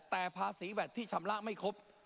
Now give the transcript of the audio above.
แต่ภาษีแวดที่ชำระไม่ครบ